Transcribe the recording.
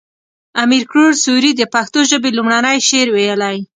امیر کروړ سوري د پښتو ژبې لومړنی شعر ويلی